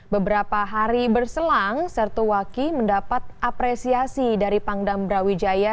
beberapa hari berselang sertu waki mendapat apresiasi dari pangdam brawijaya